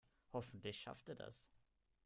Hoffentlich schafft er das.